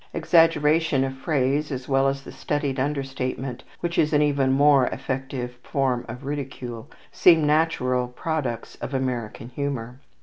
Exaggeration of phrase, as well as the studied understatement which is an even more effective form of ridicule, seem natural products of American humour.